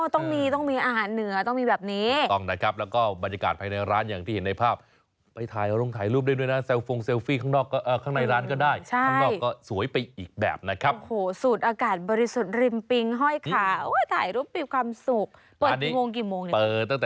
ต้องมีต้องมีอาหารเหนือต้องมีแบบนี้ต้องนะครับแล้วก็บรรยากาศภายในร้าน